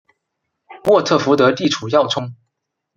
沃特福德地处要冲。